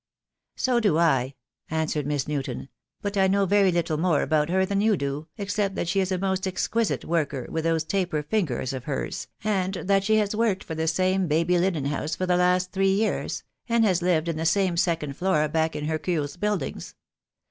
"So do I," answered Miss Newton, "but I know very little more about her than you do, except that she is a most exquisite worker with those taper fingers of hers, and that she has worked for the same baby linen house for the last three years, and has lived in the same second floor back in Hercules' Buildings.